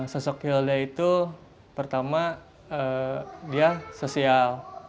sosok hilda itu pertama dia sosial